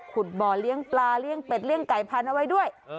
บ่อเลี้ยงปลาเลี้ยงเป็ดเลี่ยไก่พันธุ์เอาไว้ด้วย